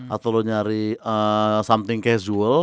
atau lo nyari something casual